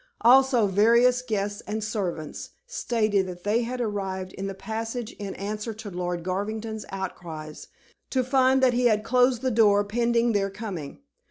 Also various guests and servants stated that they had arrived in the passage in answer to Lord Garvington's outcries, to find that he had closed the door pending their coming.